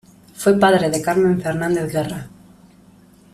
Fue padre de Carmen Fernández-Guerra.